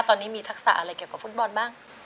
ตอนนี้มีทักษะอะไรเกี่ยวกับฟุตบอลบ้าง